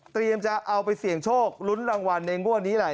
เตรียมจะเอาไปเสี่ยงโชคหลุ้นรางวัลเองปั่นนี้แหละ